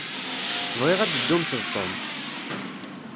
Bɣiɣ ad ddumt d Tom.